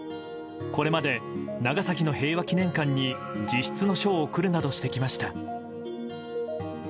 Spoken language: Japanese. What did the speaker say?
これまで長崎の平和祈念館に自筆の書を贈るなどしてきました。